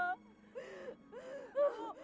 ampuni dosa anakku